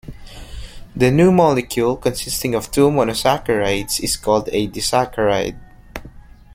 The new molecule, consisting of two monosaccharides, is called a disaccharide.